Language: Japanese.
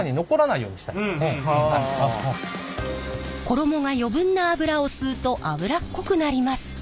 衣が余分な油を吸うと油っこくなります。